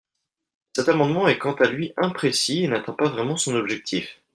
Cet amendement est quant à lui imprécis et n’atteint pas vraiment son objectif.